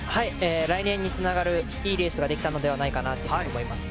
来年につながるいいレースができたのではと思います。